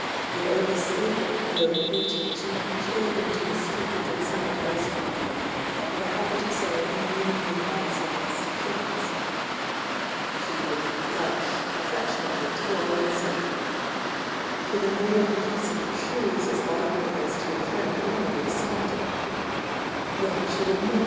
With over sleep and over eating she had matured into a stupid and somewhat obstinate woman, with a habit of saying unmeaningly nice or nasty thines— she would "gush" affectionately to all ^d 3ry, t^ the maid who fastened her shoes as ardently^ to a fnend of many years standing, yet she would Sii'th'"'".